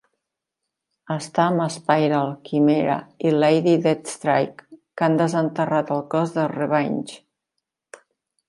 Està amb Spiral, Chimera i Lady Deathstrike que han desenterrat el cos de Revanche.